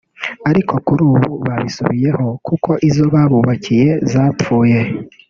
ariko ko kuri ubu babisubiyeho kuko izo babubakiye zapfuye